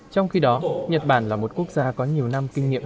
trong khi đó nhật bản là một quốc gia có nhiều năm kinh nghiệm